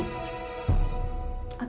atau mau bunuh raka